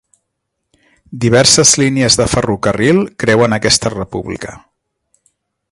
Diverses línies de ferrocarril creuen aquesta república.